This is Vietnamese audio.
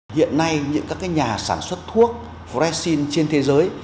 hiện nay những các nhà sản xuất thuốc foresin trên thế giới